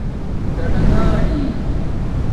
ڈاڈاݣلی